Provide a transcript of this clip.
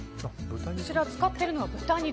こちら使っているのは豚肉。